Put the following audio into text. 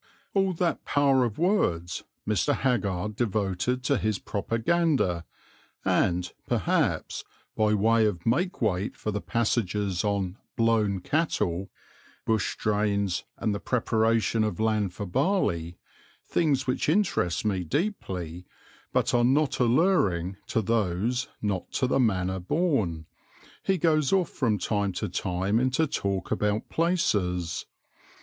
All that power of words Mr. Haggard devoted to his propaganda and, perhaps, by way of make weight for passages on "blown" cattle, bush drains, and the preparation of land for barley things which interest me deeply, but are not alluring to those not to the manner born he goes off from time to time into talk about places.